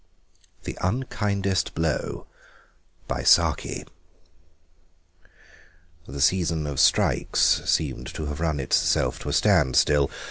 THE UNKINDEST BLOW The season of strikes seemed to have run itself to a standstill.